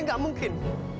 ini gak mungkin